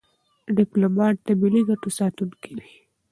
ډيپلومات د ملي ګټو ساتونکی وي.